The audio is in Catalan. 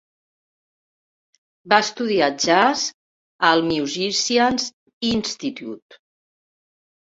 Va estudiar jazz al Musicians Institute.